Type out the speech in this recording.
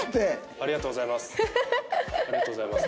ありがとうございます。